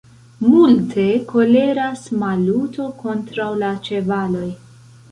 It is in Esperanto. Multe koleras Maluto kontraŭ la ĉevaloj.